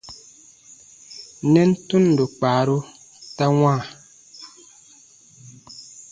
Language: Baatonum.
Nɛn tundo kpaaru ta wãa.